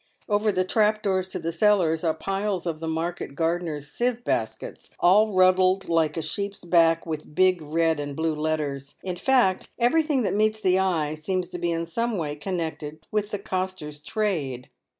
Over the trap doors to the cellars are piles of market gardeners' sieve baskets, all ruddled like a sheep's back with big red and blue letters. In fact, everything that meets the eye seems to be in some way connected with the coster's trade.